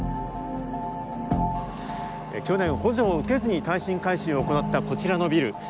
去年、補助を受けずに耐震改修を行った、こちらのビル。